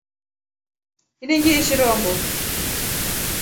Ini ngeishi rombo.